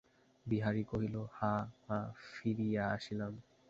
বিহারী কহিল, হাঁ, মা, ফিরিয়া আসিলাম।